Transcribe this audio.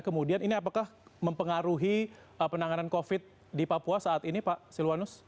kemudian ini apakah mempengaruhi penanganan covid di papua saat ini pak silwanus